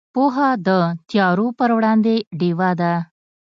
پوهه د تیارو پر وړاندې ډیوه ده.